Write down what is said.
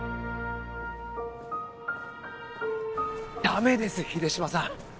ダメです秀島さん